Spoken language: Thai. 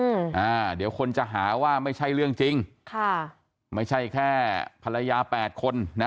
อ่าเดี๋ยวคนจะหาว่าไม่ใช่เรื่องจริงค่ะไม่ใช่แค่ภรรยาแปดคนนะ